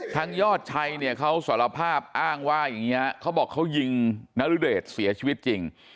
ยอดชัยเนี่ยเขาสารภาพอ้างว่าอย่างนี้ฮะเขาบอกเขายิงนรุเดชเสียชีวิตจริง